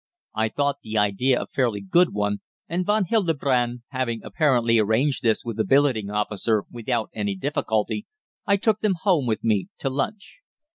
I thought the idea a fairly good one, and Von Hildebrandt, having apparently arranged this with the billeting officer without any difficulty, I took them home with me to lunch.